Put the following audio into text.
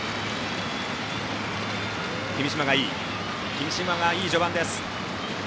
君嶋がいい序盤です。